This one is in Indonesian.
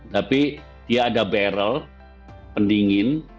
tapi dia ada barrel pendingin